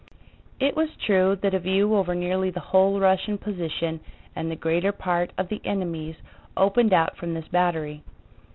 It was true that a view over nearly the whole Russian position and the greater part of the enemy's opened out from this battery.